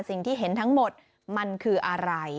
สิ่งที่เห็นทั้งหมดมันคืออะไร